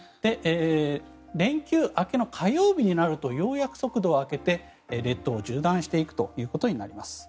連休明けの火曜日になるとようやく速度を上げて列島を縦断していくということになります。